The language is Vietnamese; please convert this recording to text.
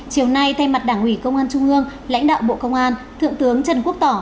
chiều nay thay mặt đảng ủy công an trung ương lãnh đạo bộ công an thượng tướng trần quốc tỏ